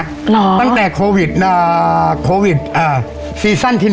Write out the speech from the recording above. หรอตั้งแต่โควิดอ่าโควิดอ่าซีซั่นที่๑